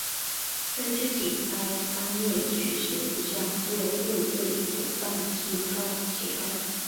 在自己摊位举行讲座会被主办机构警告。